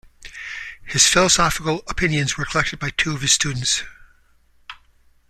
His philosophical opinions were collected by two of his students.